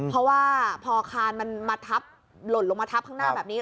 เพราะว่าพอคานมันมาทับหล่นลงมาทับข้างหน้าแบบนี้